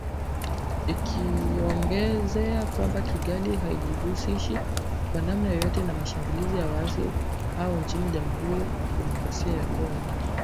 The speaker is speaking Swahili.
Ikiongezea kwamba “Kigali haijihusishi kwa namna yoyote na mashambulizi ya waasi hao nchini Jamhuri ya kidemokrasia ya Kongo."